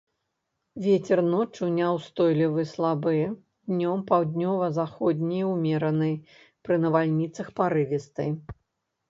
Вецер ноччу няўстойлівы слабы, днём паўднёва-заходні ўмераны, пры навальніцах парывісты.